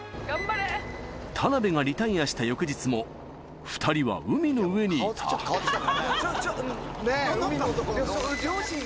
田辺がリタイアした翌日も２人は海の上にいた海の男の顔に。